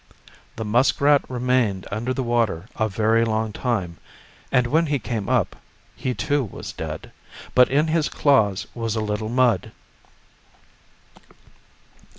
The muskrat remained under the water a very long time, and when he came up, he, too, was dead, but in his claws was a little mud.